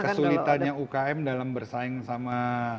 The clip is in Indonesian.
kesulitannya ukm dalam bersaing sama